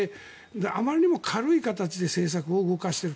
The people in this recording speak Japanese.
あまりにも軽い形で政策を動かしている。